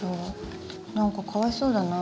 何かかわいそうだな。